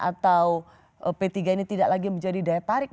atau p tiga ini tidak lagi menjadi daya tarik